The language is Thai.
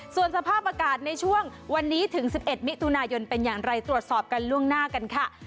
ส่วนสภาพอากาศในช่วงวันนี้ถึง๑๑มิถุนายนเป็นอย่างไรตรวจสอบกันล่วงหน้ากันค่ะ